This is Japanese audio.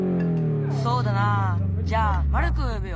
そうだなじゃあマルクをよぶよ。